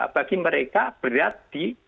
bagi mereka berat di